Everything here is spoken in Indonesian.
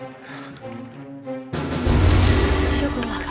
kau benar kiwubul ayo kita segera laporkan